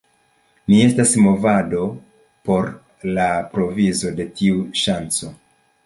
Ni estas movado por la provizo de tiu ŝanco.